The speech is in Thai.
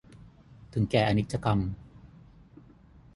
ถึงแก่อนิจกรรม